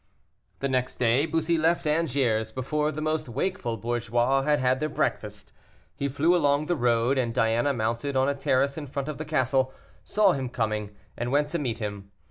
The next day, Bussy left Angers before the most wakeful bourgeois had had their breakfast. He flew along the road, and Diana, mounted on a terrace in front of the castle, saw him coming, and went to meet him.